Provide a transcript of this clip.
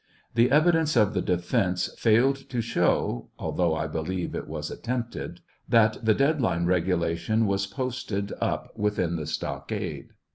The evidence of the defence failed to show (although I believe it was attempted) that the dead line regulation was posted up within the stockade.